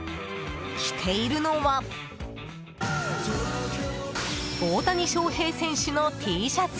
着ているのは大谷翔平選手のＴシャツ。